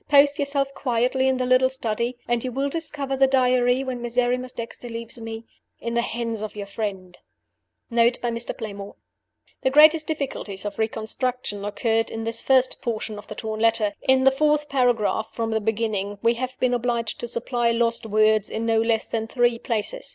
Post yourself quietly in the little study; and you will discover the Diary (when Miserrimus Dexter leaves me) in the hands of your friend." Note by Mr. Playmore: The greatest difficulties of reconstruction occurred in this first portion of the torn letter. In the fourth paragraph from the beginning we have been obliged to supply lost words in no less than three places.